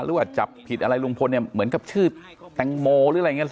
หรือว่าจับผิดอะไรลุงพลเนี่ยเหมือนกับชื่อแตงโมหรืออะไรอย่างนี้ห